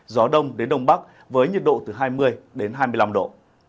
gió đông đến đông bắc với nhiệt độ từ hai mươi đến hai mươi năm độ